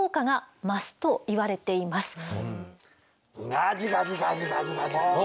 ガジガジガジガジガジ。